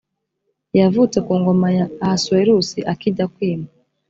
yavutse ku ngoma ya ahasuwerusi akijya kwima